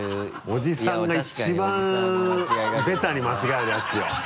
おじさんが一番ベタに間違えるやつよ。